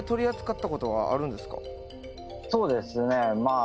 「そうですねまあ」